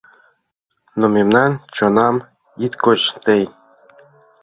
Но мемнан чоннам ит коч тый